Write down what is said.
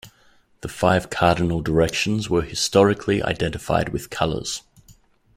The five cardinal directions were historically identified with colors.